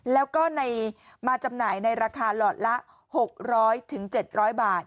แล้วก็มาจำหน่ายในราคาหลอดละ๖๐๐๗๐๐บาท